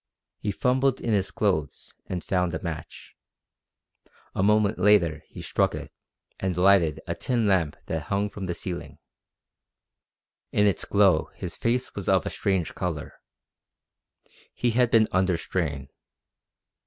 He fumbled in his clothes and found a match. A moment later he struck it, and lighted a tin lamp that hung from the ceiling. In its glow his face was of a strange colour. He had been under strain.